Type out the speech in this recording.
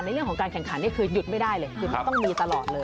เรื่องของการแข่งขันนี่คือหยุดไม่ได้เลยคือต้องมีตลอดเลย